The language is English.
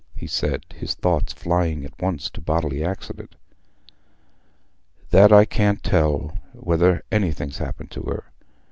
he said, his thoughts flying at once to bodily accident. "That I can't tell, whether anything's happened to her.